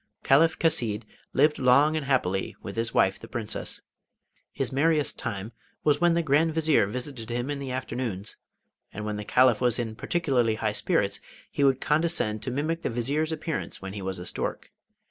Caliph Chasid lived long and happily with his wife the Princess. His merriest time was when the Grand Vizier visited him in the afternoon; and when the Caliph was in particularly high spirits he would condescend to mimic the Vizier's appearance when he was a stork.